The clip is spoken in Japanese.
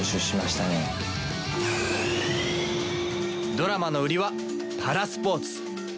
ドラマの売りはパラスポーツ。